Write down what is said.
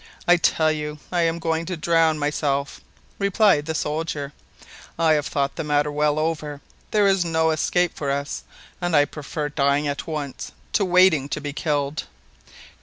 "I tell you I am going to drown myself," replied the soldier. "I have thought the matter well over: there is no escape for us, and I prefer dying at once to waiting to be killed."